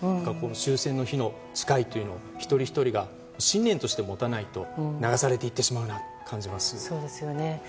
終戦の日の誓いというのを一人ひとりが信念として持たないと流されていってしまうなと感じます。